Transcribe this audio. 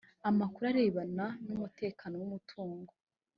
amakuru arebana n umutekano w umutungo